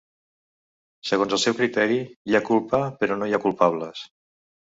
Segons el seu criteri, hi ha culpa però no hi ha culpables.